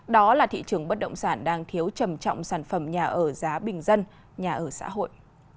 đó là thị trường bất động sản đang thiếu trầm trọng sản phẩm nhà ở giá bình dân nhà ở xã hội